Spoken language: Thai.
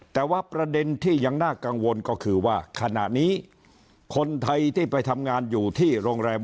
แต่ว่าประเด็นที่ยังน่ากังวลก็คือว่าขณะนี้คนไทยที่ไปทำงานอยู่ที่โรงแรม